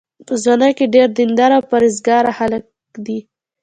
په ځوانۍ کې ډېر دینداره او پرهېزګاره هلک دی.